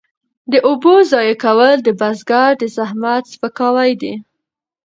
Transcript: د اوبو ضایع کول د بزګر د زحمت سپکاوی دی.